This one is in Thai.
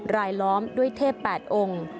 รายล้อมด้วยเทพแปดองค์